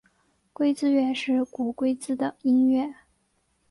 龟兹乐是古龟兹的音乐。